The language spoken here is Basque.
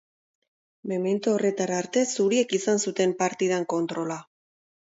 Memento horretara arte zuriek izan zuten partidan kontrola.